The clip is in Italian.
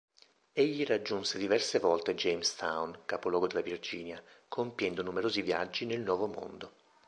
Egli raggiunse diverse volte Jamestown, capoluogo della Virginia, compiendo numerosi viaggi nel nuovo mondo.